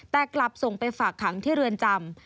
แต่กลับส่งไปฝากขังที่เรือนจำ